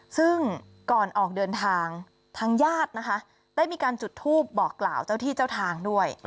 ซึ่งก่อนออกเดินทางทางญาตินะคะได้มีการจุดทูปบอกกล่าวเจ้าที่เจ้าทางด้วย